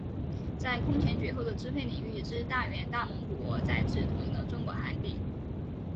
有空前绝后的支配领域之大元大蒙古国再次统一了中国汉地。